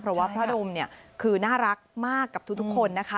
เพราะว่าพระดมเนี่ยคือน่ารักมากกับทุกคนนะคะ